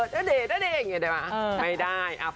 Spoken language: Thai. เต็ปข้างห้า